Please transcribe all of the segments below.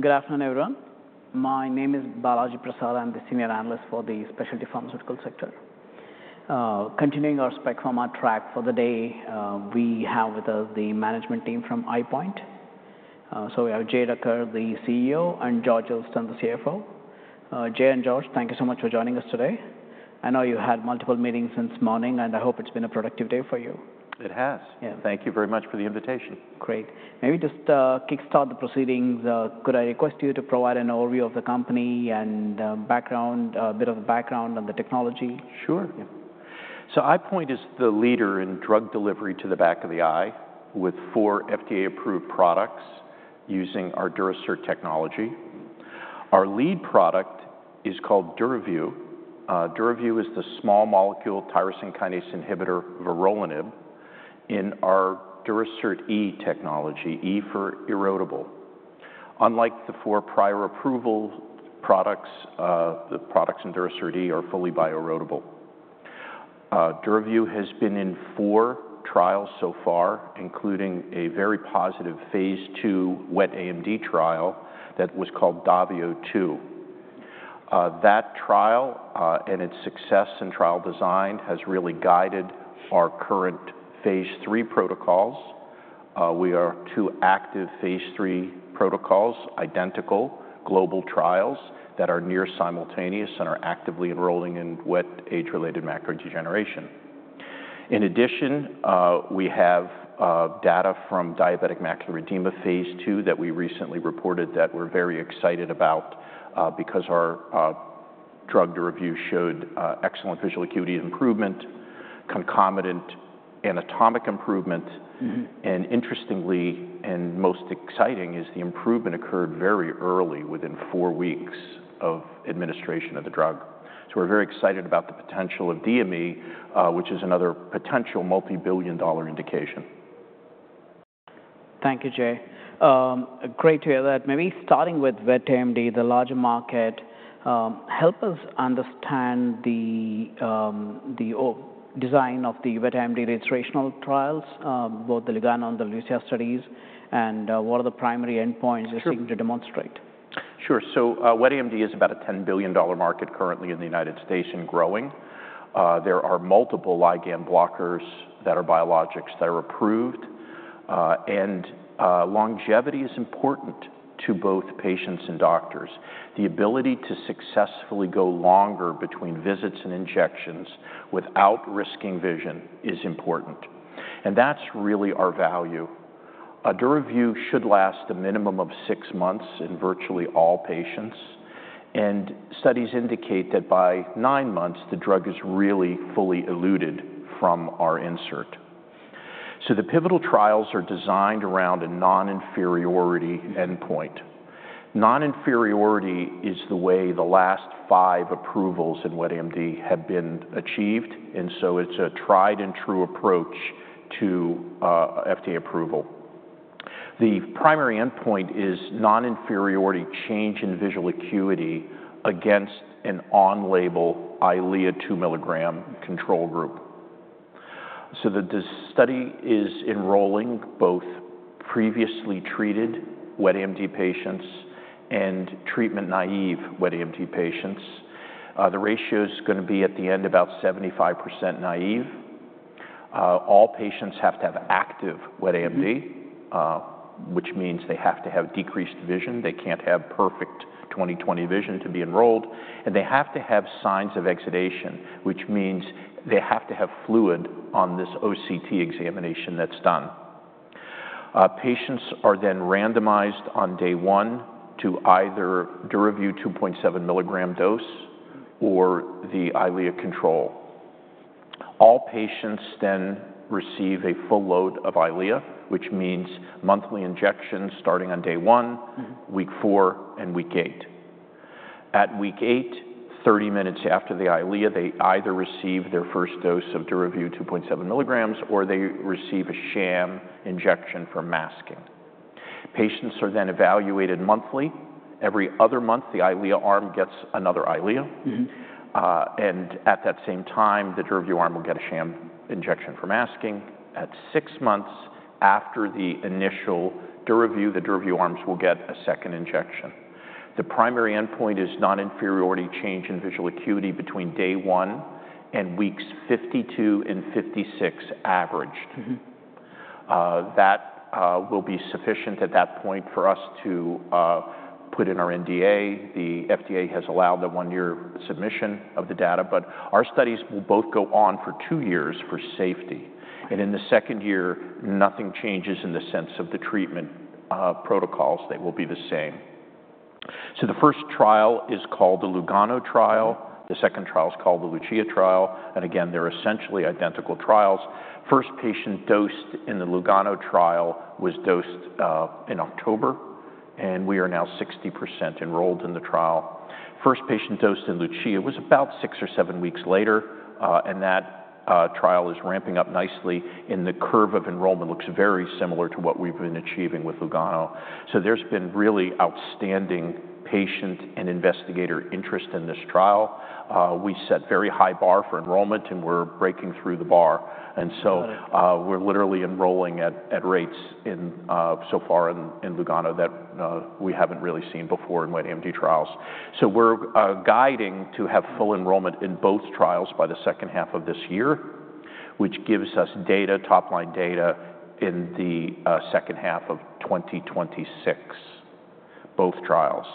Good afternoon, everyone. My name is Balaji Prasad. I'm the Senior Analyst for the Specialty Pharmaceuticals sector. Continuing our Spec Pharma track for the day, we have with us the management team from EyePoint. We have Jay Duker, the CEO, and George Elston, the CFO. Jay and George, thank you so much for joining us today. I know you had multiple meetings since morning, and I hope it's been a productive day for you. It has. Yeah. Thank you very much for the invitation. Great. Maybe just kick-start the proceedings. Could I request you to provide an overview of the company and, background, a bit of background on the technology? Sure. Yeah. EyePoint is the leader in drug delivery to the back of the eye with four FDA-approved products using our Durasert technology. Our lead product is called DURAVYU. DURAVYU is the small molecule tyrosine kinase inhibitor, vorolanib, in our Durasert E technology, E for erodible. Unlike the four prior approved products, the products in Durasert E are fully bioerodible. DURAVYU has been in four trials so far, including a very positive phase II wet AMD trial that was called DAVIO 2. That trial, and its success in trial design, has really guided our current phase III protocols. We are two active phase III protocols, identical, global trials that are near simultaneous and are actively enrolling in wet age-related macular degeneration. In addition, we have data from diabetic macular edema phase II that we recently reported that we're very excited about, because our drug DURAVYU showed excellent visual acuity improvement, concomitant anatomic improvement. Mm-hmm. Interestingly, and most exciting, is the improvement occurred very early within four weeks of administration of the drug. We are very excited about the potential of DME, which is another potential multi-billion dollar indication. Thank you, Jay. Great to hear that. Maybe starting with wet AMD, the larger market, help us understand the design of the wet AMD registration trials, both the LUGANO and the LUCIA studies, and what are the primary endpoints you're seeking to demonstrate? Sure. Wet AMD is about a $10 billion market currently in the United States and growing. There are multiple ligand blockers that are biologics that are approved. Longevity is important to both patients and doctors. The ability to successfully go longer between visits and injections without risking vision is important. That's really our value. DURAVYU should last a minimum of six months in virtually all patients. Studies indicate that by nine months, the drug is really fully eluted from our insert. The pivotal trials are designed around a non-inferiority endpoint. Non-inferiority is the way the last five approvals in wet AMD have been achieved. It's a tried-and-true approach to FDA approval. The primary endpoint is non-inferiority change in visual acuity against an on-label Eylea 2 mg control group. The study is enrolling both previously treated wet AMD patients and treatment naive wet AMD patients. The ratio's gonna be at the end about 75% naive. All patients have to have active wet AMD, which means they have to have decreased vision. They can't have perfect 20/20 vision to be enrolled. They have to have signs of exudation, which means they have to have fluid on this OCT examination that's done. Patients are then randomized on day one to either DURAVYU 2.7 mg dose or the Eylea control. All patients then receive a full load of Eylea, which means monthly injections starting on day one. Mm-hmm. Week four and week eight. At week eight, 30 minutes after the Eylea, they either receive their first dose of DURAVYU 2.7 mg or they receive a sham injection for masking. Patients are then evaluated monthly. Every other month, the Eylea arm gets another Eylea. Mm-hmm. At that same time, the DURAVYU arm will get a sham injection for masking. At six months after the initial DURAVYU, the DURAVYU arms will get a second injection. The primary endpoint is non-inferiority change in visual acuity between day one and weeks 52 and 56 averaged. Mm-hmm. That will be sufficient at that point for us to put in our NDA. The FDA has allowed the one-year submission of the data, but our studies will both go on for two years for safety. In the second year, nothing changes in the sense of the treatment protocols. They will be the same. The first trial is called the LUGANO trial. The second trial is called the LUCIA trial. Again, they are essentially identical trials. First patient dosed in the LUGANO trial was dosed in October, and we are now 60% enrolled in the trial. First patient dosed in LUCIA was about six or seven weeks later. That trial is ramping up nicely, and the curve of enrollment looks very similar to what we have been achieving with LUGANO. There has been really outstanding patient and investigator interest in this trial. We set a very high bar for enrollment, and we're breaking through the bar. And so. Wow. We're literally enrolling at rates so far in LUGANO that we haven't really seen before in wet AMD trials. We're guiding to have full enrollment in both trials by the second half of this year, which gives us top-line data in the second half of 2026, both trials.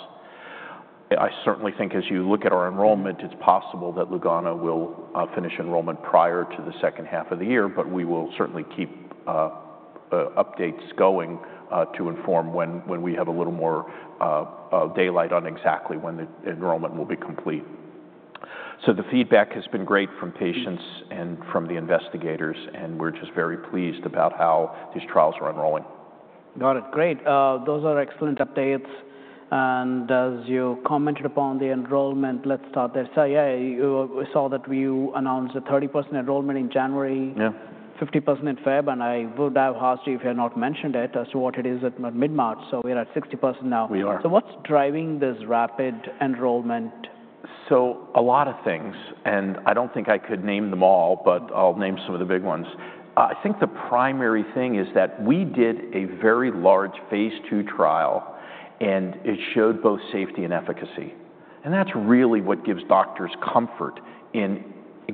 I certainly think as you look at our enrollment, it's possible that LUGANO will finish enrollment prior to the second half of the year, but we will certainly keep updates going to inform when we have a little more daylight on exactly when the enrollment will be complete. The feedback has been great from patients and from the investigators, and we're just very pleased about how these trials are enrolling. Got it. Great. Those are excellent updates. As you commented upon the enrollment, let's start there. You saw that you announced a 30% enrollment in January. Yeah. 50% in February. I would have asked you if you had not mentioned it as to what it is at mid-March. We are at 60% now. We are. What's driving this rapid enrollment? A lot of things, and I don't think I could name them all, but I'll name some of the big ones. I think the primary thing is that we did a very large phase II trial, and it showed both safety and efficacy. That's really what gives doctors comfort in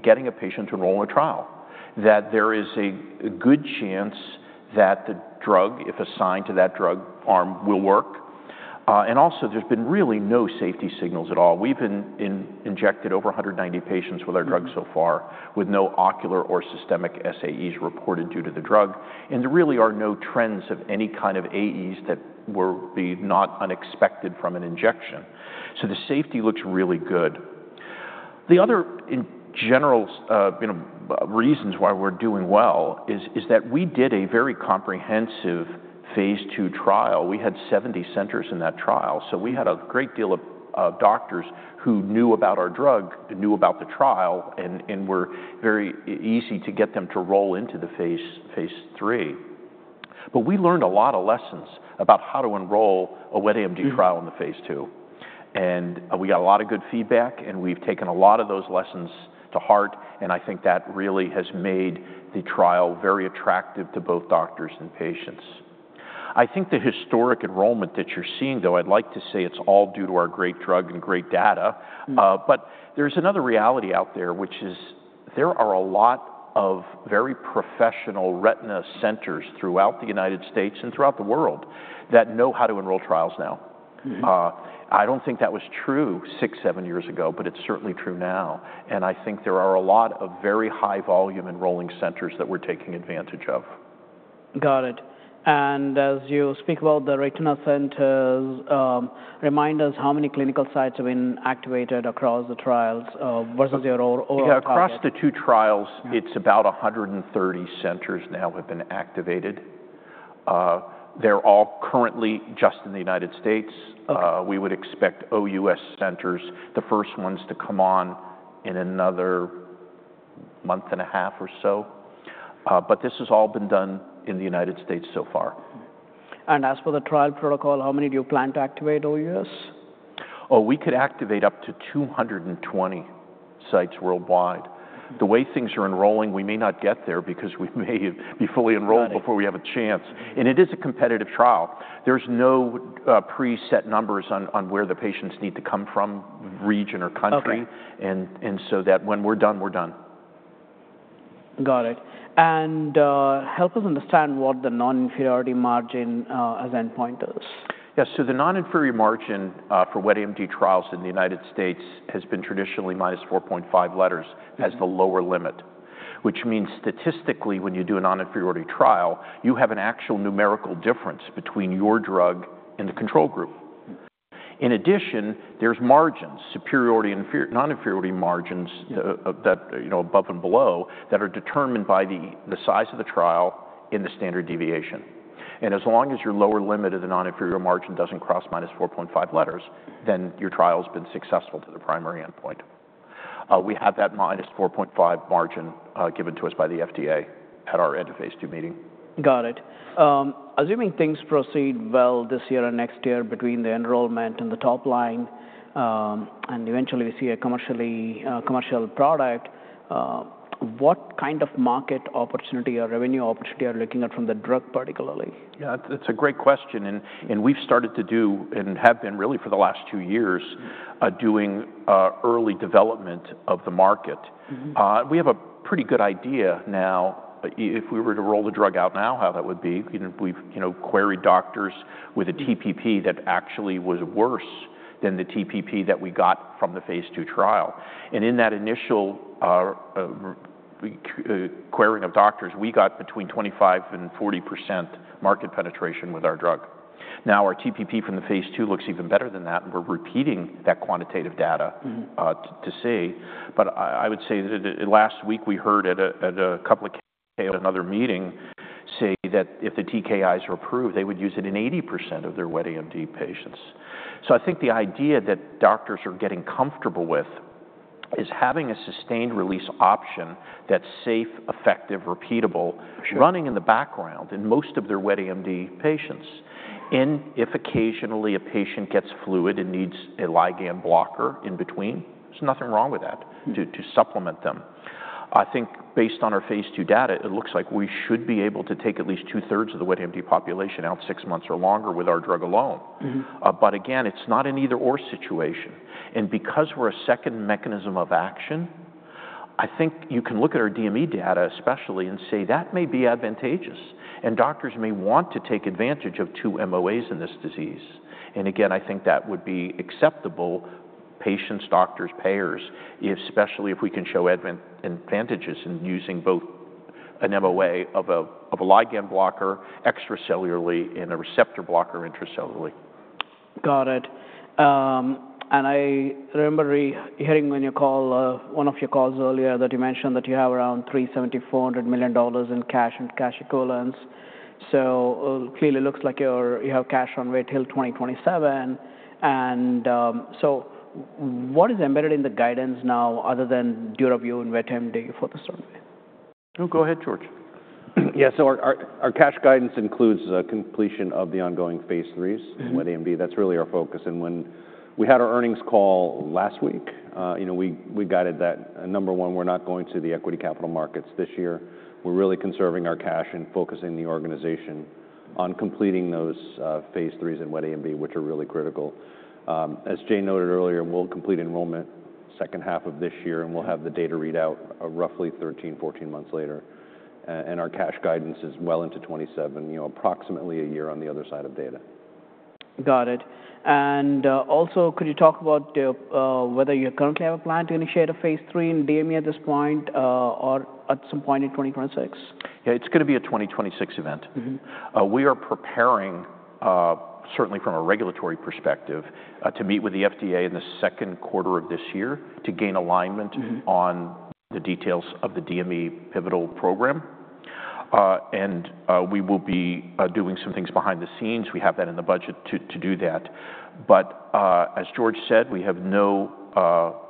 getting a patient to enroll in a trial, that there is a good chance that the drug, if assigned to that drug arm, will work. Also, there's been really no safety signals at all. We've injected over 190 patients with our drug so far with no ocular or systemic SAEs reported due to the drug. There really are no trends of any kind of AEs that would be not unexpected from an injection. The safety looks really good. The other, in general, you know, reasons why we're doing well is that we did a very comprehensive phase II trial. We had 70 centers in that trial. We had a great deal of doctors who knew about our drug, knew about the trial, and were very easy to get them to roll into the phase III. We learned a lot of lessons about how to enroll a wet AMD trial in the phase II. Mm-hmm. We got a lot of good feedback, and we've taken a lot of those lessons to heart. I think that really has made the trial very attractive to both doctors and patients. I think the historic enrollment that you're seeing, though, I'd like to say it's all due to our great drug and great data. Mm-hmm. There is another reality out there, which is there are a lot of very professional retina centers throughout the United States and throughout the world that know how to enroll trials now. Mm-hmm. I don't think that was true six, seven years ago, but it's certainly true now. I think there are a lot of very high-volume enrolling centers that we're taking advantage of. Got it. As you speak about the retina centers, remind us how many clinical sites have been activated across the trials, versus your oral trial? Yeah. Across the two trials, it's about 130 centers now have been activated. They're all currently just in the United States. Okay. We would expect OUS centers, the first ones, to come on in another month and a half or so. But this has all been done in the United States so far. As for the trial protocol, how many do you plan to activate OUS? Oh, we could activate up to 220 sites worldwide. Mm-hmm. The way things are enrolling, we may not get there because we may be fully enrolled. Right. Before we have a chance. It is a competitive trial. There's no preset numbers on where the patients need to come from, region or country. Okay. So that when we're done, we're done. Got it. Help us understand what the non-inferiority margin as endpoint is. Yeah. The non-inferiority margin for wet AMD trials in the United States has been traditionally -4.5 letters as the lower limit, which means statistically, when you do a non-inferiority trial, you have an actual numerical difference between your drug and the control group. Mm-hmm. In addition, there's margins, superiority and non-inferiority margins. Mm-hmm. that, you know, above and below that are determined by the, the size of the trial and the standard deviation. And as long as your lower limit of the non-inferiority margin doesn't cross -4.5 letters, then your trial's been successful to the primary endpoint. We have that -4.5 margin, given to us by the FDA at our end of phase II meeting. Got it. Assuming things proceed well this year and next year between the enrollment and the top line, and eventually we see a commercial product, what kind of market opportunity or revenue opportunity are you looking at from the drug particularly? Yeah. That's a great question. We've started to do and have been really for the last two years, doing early development of the market. Mm-hmm. We have a pretty good idea now, if we were to roll the drug out now, how that would be. You know, we've, you know, queried doctors with a TPP that actually was worse than the TPP that we got from the phase II trial. And in that initial, re-querying of doctors, we got between 25% and 40% market penetration with our drug. Now our TPP from the phase II looks even better than that, and we're repeating that quantitative data. Mm-hmm. To see. I would say that last week we heard at a couple of TKIs at another meeting say that if the TKIs are approved, they would use it in 80% of their wet AMD patients. I think the idea that doctors are getting comfortable with is having a sustained-release option that's safe, effective, repeatable. Sure. Running in the background in most of their wet AMD patients. If occasionally a patient gets fluid and needs a ligand blocker in between, there's nothing wrong with that. Mm-hmm. To supplement them. I think based on our phase II data, it looks like we should be able to take at least two-thirds of the wet AMD population out six months or longer with our drug alone. Mm-hmm. Again, it's not an either/or situation. Because we're a second mechanism of action, I think you can look at our DME data especially and say that may be advantageous, and doctors may want to take advantage of two MOAs in this disease. I think that would be acceptable to patients, doctors, payers, especially if we can show advantages in using both an MOA of a ligand blocker extracellularly and a receptor blocker intracellularly. Got it. And I remember hearing on your call, one of your calls earlier that you mentioned that you have around $370 million, $400 million in cash and cash equivalents. It clearly looks like you have cash on way till 2027. What is embedded in the guidance now other than DURAVYU and wet AMD for the survey? Oh, go ahead, George. Yeah. So our cash guidance includes completion of the ongoing phase IIIs. Mm-hmm. In wet AMD. That's really our focus. When we had our earnings call last week, you know, we guided that, number one, we're not going to the equity capital markets this year. We're really conserving our cash and focusing the organization on completing those phase III's in wet AMD, which are really critical. As Jay noted earlier, we'll complete enrollment second half of this year, and we'll have the data readout roughly 13, 14 months later. Our cash guidance is well into 2027, you know, approximately a year on the other side of data. Got it. Also, could you talk about whether you currently have a plan to initiate a phase III in DME at this point, or at some point in 2026? Yeah. It's gonna be a 2026 event. Mm-hmm. We are preparing, certainly from a regulatory perspective, to meet with the FDA in the second quarter of this year to gain alignment. Mm-hmm. On the details of the DME pivotal program, we will be doing some things behind the scenes. We have that in the budget to do that. As George said, we have no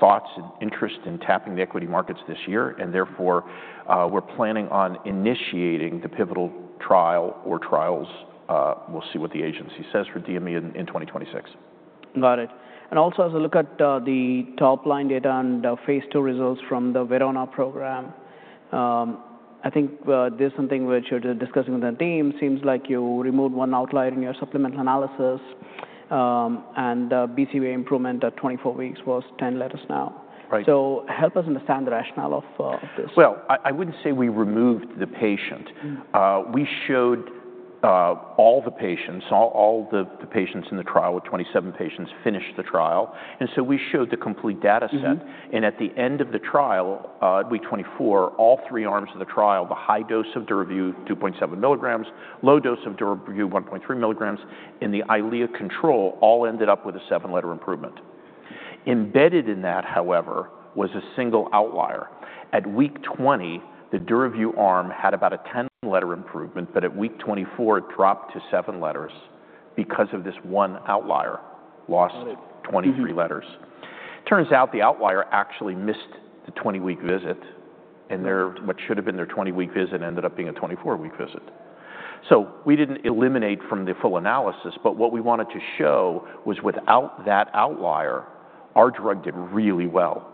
thoughts and interest in tapping the equity markets this year. Therefore, we're planning on initiating the pivotal trial or trials. We'll see what the agency says for DME in 2026. Got it. Also, as I look at the top-line data and phase II results from the VERONA program, I think there's something which you're discussing with the team. Seems like you removed one outlier in your supplemental analysis, and BCVA improvement at 24 weeks was 10 letters now. Right. Help us understand the rationale of this. I wouldn't say we removed the patient. Mm-hmm. We showed all the patients, all the patients in the trial, with 27 patients finished the trial. We showed the complete data set. Mm-hmm. At the end of the trial, week 24, all three arms of the trial, the high dose of DURAVYU 2.7 mg, low dose of DURAVYU 1.3 mg, and the Eylea control all ended up with a seven-letter improvement. Embedded in that, however, was a single outlier. At week 20, the DURAVYU arm had about a 10-letter improvement, but at week 24, it dropped to seven letters because of this one outlier lost. Got it. 23 letters. Turns out the outlier actually missed the 20-week visit, and what should have been their 20-week visit ended up being a 24-week visit. We did not eliminate from the full analysis, but what we wanted to show was without that outlier, our drug did really well.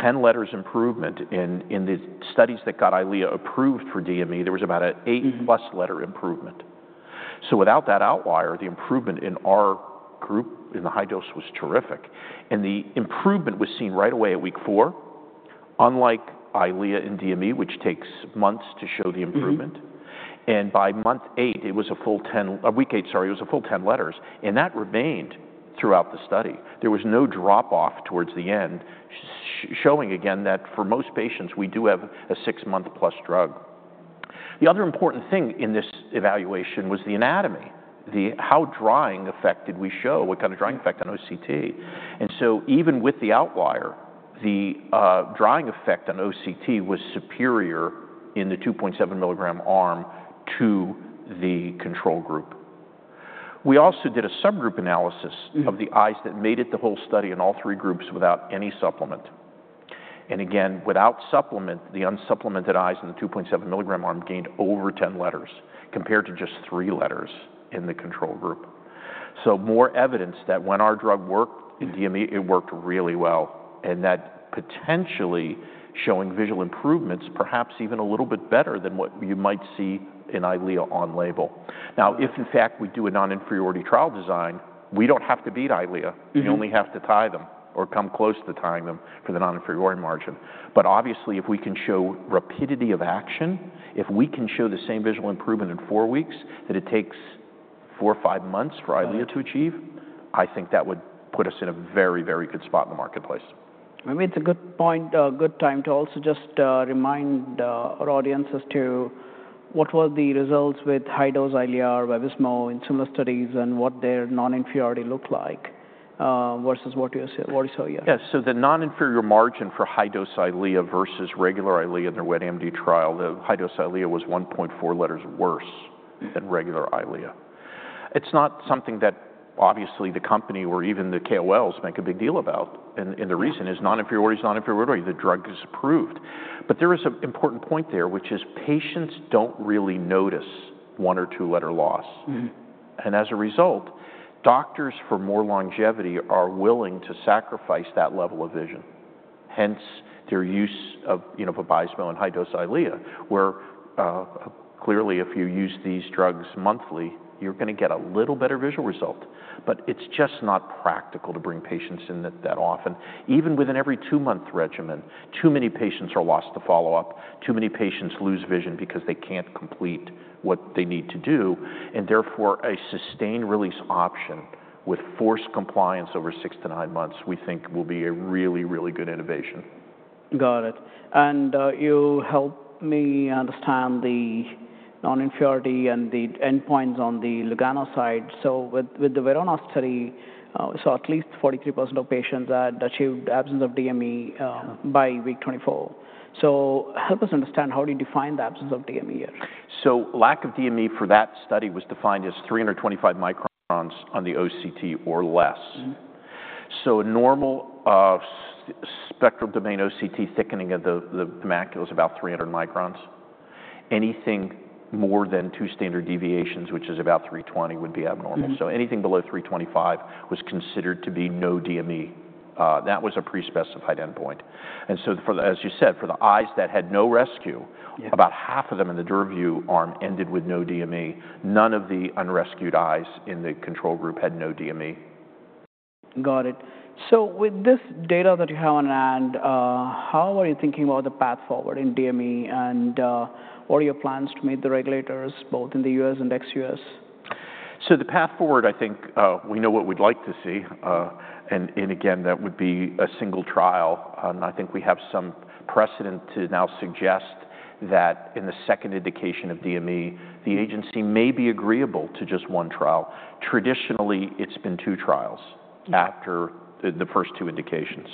Ten letters improvement in the studies that got Eylea approved for DME, there was about an eight-plus letter improvement. Without that outlier, the improvement in our group in the high dose was terrific. The improvement was seen right away at week four, unlike Eylea in DME, which takes months to show the improvement. Mm-hmm. By month eight, it was a full 10, week eight, sorry, it was a full 10 letters. That remained throughout the study. There was no drop-off towards the end, showing again that for most patients, we do have a six-month-plus drug. The other important thing in this evaluation was the anatomy, the how drying effect did we show, what kind of drying effect on OCT. Even with the outlier, the drying effect on OCT was superior in the 2.7 mg arm to the control group. We also did a subgroup analysis. Mm-hmm. Of the eyes that made it the whole study in all three groups without any supplement. Again, without supplement, the unsupplemented eyes in the 2.7 mg arm gained over 10 letters compared to just three letters in the control group. More evidence that when our drug worked in DME, it worked really well, and that potentially showing visual improvements, perhaps even a little bit better than what you might see in Eylea on label. Now, if in fact we do a non-inferiority trial design, we do not have to beat Eylea. Mm-hmm. We only have to tie them or come close to tying them for the non-inferiority margin. Obviously, if we can show rapidity of action, if we can show the same visual improvement in four weeks that it takes four or five months for Eylea to achieve. Mm-hmm. I think that would put us in a very, very good spot in the marketplace. Maybe it's a good point, good time to also just remind our audiences to what were the results with high-dose Eylea or Vabysmo in similar studies and what their non-inferiority looked like, versus what you see, what you saw here. Yeah. The non-inferior margin for high-dose Eylea versus regular Eylea in their wet AMD trial, the high-dose Eylea was 1.4 letters worse than regular Eylea. It's not something that obviously the company or even the KOLs make a big deal about. The reason is non-inferiority is non-inferiority. The drug is approved. There is an important point there, which is patients don't really notice one or two-letter loss. Mm-hmm. As a result, doctors for more longevity are willing to sacrifice that level of vision. Hence their use of, you know, of Vabysmo and high-dose Eylea, where, clearly if you use these drugs monthly, you're gonna get a little better visual result. It's just not practical to bring patients in that often. Even with an every-two-month regimen, too many patients are lost to follow-up. Too many patients lose vision because they can't complete what they need to do. Therefore, a sustained-release option with forced compliance over six to nine months we think will be a really, really good innovation. Got it. You help me understand the non-inferiority and the endpoints on the LUGANO side. With the VERONA study, at least 43% of patients had achieved absence of DME, Mm-hmm. By week 24. Help us understand how do you define the absence of DME here? Lack of DME for that study was defined as 325 microns on the OCT or less. Mm-hmm. Normal spectral domain OCT thickening of the macula is about 300 microns. Anything more than two standard deviations, which is about 320, would be abnormal. Mm-hmm. Anything below 325 was considered to be no DME. That was a pre-specified endpoint. And for the, as you said, for the eyes that had no rescue. Yeah. About half of them in the DURAVYU arm ended with no DME. None of the unrescued eyes in the control group had no DME. Got it. With this data that you have on hand, how are you thinking about the path forward in DME, and what are your plans to meet the regulators both in the U.S. and ex-U.S.? The path forward, I think, we know what we'd like to see, and again, that would be a single trial. I think we have some precedent to now suggest that in the second indication of DME, the agency may be agreeable to just one trial. Traditionally, it's been two trials. Mm-hmm. After the first two indications.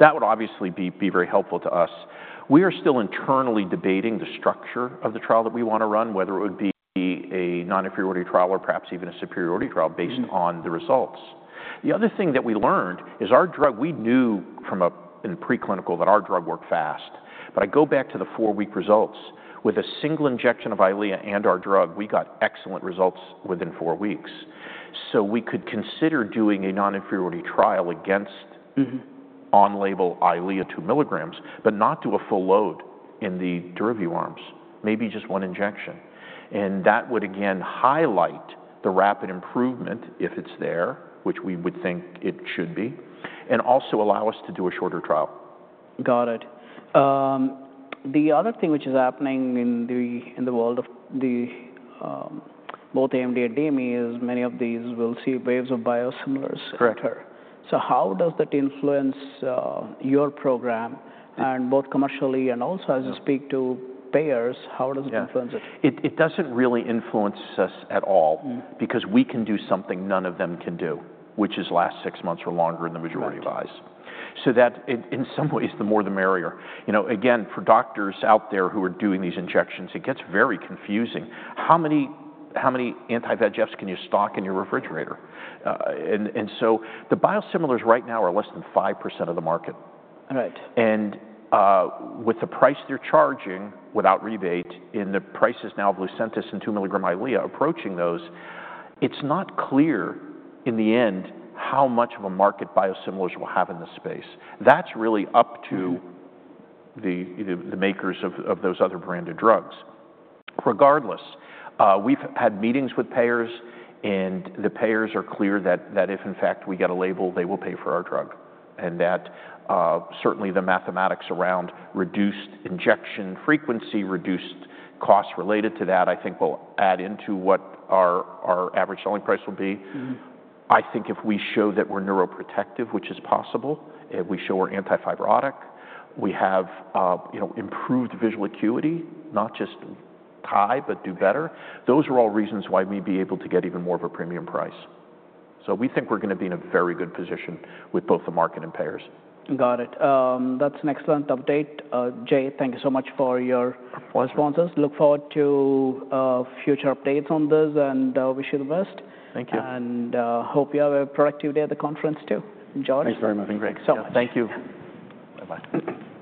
That would obviously be very helpful to us. We are still internally debating the structure of the trial that we wanna run, whether it would be a non-inferiority trial or perhaps even a superiority trial based on the results. The other thing that we learned is our drug, we knew from in preclinical that our drug worked fast. I go back to the four-week results. With a single injection of Eylea and our drug, we got excellent results within four weeks. We could consider doing a non-inferiority trial against. Mm-hmm. On-label Eylea 2 mg, but not do a full load in the DURAVYU arms, maybe just one injection. That would again highlight the rapid improvement if it's there, which we would think it should be, and also allow us to do a shorter trial. Got it. The other thing which is happening in the, in the world of the, both AMD and DME is many of these will see waves of biosimilars. Correct. How does that influence your program and both commercially and also as you speak to payers, how does it influence it? It doesn't really influence us at all. Mm-hmm. Because we can do something none of them can do, which is last six months or longer in the majority of eyes. Sure. In some ways, the more the merrier. You know, again, for doctors out there who are doing these injections, it gets very confusing. How many, how many anti-VEGFs can you stock in your refrigerator? And, and so the biosimilars right now are less than 5% of the market. Right. With the price they're charging without rebate and the prices now of Lucentis and 2 mg Eylea approaching those, it's not clear in the end how much of a market biosimilars will have in the space. That's really up to the makers of those other branded drugs. Regardless, we've had meetings with payers, and the payers are clear that if in fact we get a label, they will pay for our drug. Certainly the mathematics around reduced injection frequency, reduced costs related to that, I think will add into what our average selling price will be. Mm-hmm. I think if we show that we're neuroprotective, which is possible, if we show we're anti-fibrotic, we have, you know, improved visual acuity, not just tie, but do better. Those are all reasons why we'd be able to get even more of a premium price. We think we're gonna be in a very good position with both the market and payers. Got it. That's an excellent update. Jay, thank you so much for your. Of course. Responses. Look forward to future updates on this and wish you the best. Thank you. Hope you have a productive day at the conference too, George. Thanks very much. Thank you. Thank you. Bye-bye. Thank you.